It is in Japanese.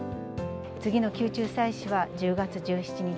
次の宮中祭祀は１０月１７日。